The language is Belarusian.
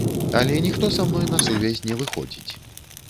Але ніхто са мной на сувязь не выходзіць.